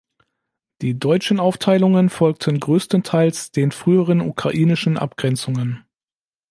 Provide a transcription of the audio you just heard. Die deutschen Aufteilungen folgten größtenteils den früheren ukrainischen Abgrenzungen.